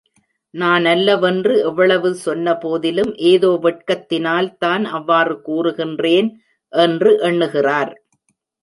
நானல்ல வென்று எவ்வளவு சொன்னபோதிலும் ஏதோ வெட்கத் தினால்தான் அவ்வாறு கூறுகின்றேன் என்று எண்ணுகிறார்!